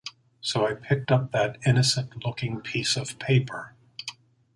So I picked up that innocent-looking piece of paper.